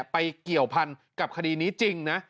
เกี่ยวพันกับคดีนี้จริงนะ